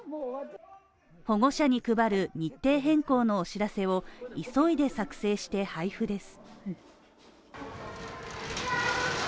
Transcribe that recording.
保護者に配る日程変更のお知らせを急いで作成して配布です。